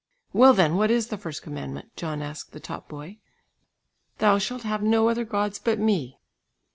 "Well, then, what is the first commandment?" John asked the top boy. "Thou shalt have no other gods but Me."